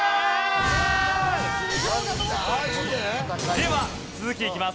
では続きいきます。